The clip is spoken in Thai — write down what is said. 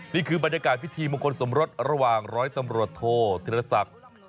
นี่คือบรรยากาศพิธีมงคลสมรสระหว่างร้อยตำรวจโทษธิรศักดิ์